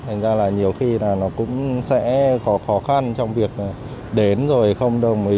nên là nhiều khi nó cũng sẽ có khó khăn trong việc đến rồi không đồng ý